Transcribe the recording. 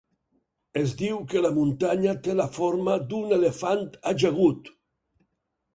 Es diu que la muntanya té la forma d'un elefant ajagut.